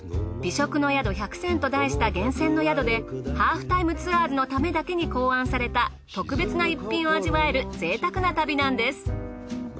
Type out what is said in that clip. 美食の宿１００選と題した厳選の宿で『ハーフタイムツアーズ』のためだけに考案された特別な逸品を味わえるぜいたくな旅なんです。